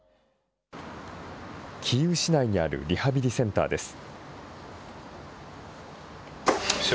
キーウ市内にあるリハビリセンターです。